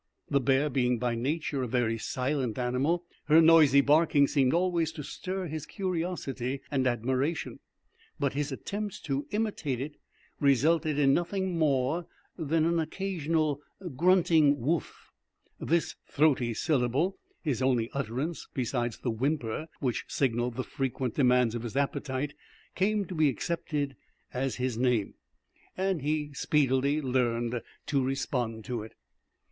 The bear being by nature a very silent animal, her noisy barking seemed always to stir his curiosity and admiration; but his attempts to imitate it resulted in nothing more than an occasional grunting woof. This throaty syllable, his only utterance besides the whimper which signalled the frequent demands of his appetite, came to be accepted as his name; and he speedily learned to respond to it.